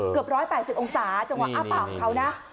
เกือบ๑๘๐องศาจังหวะอ้าปากเขานะ